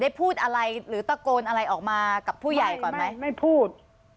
พูดอะไรหรือตะโกนอะไรออกมากับผู้ใหญ่ก่อนไหมไม่พูด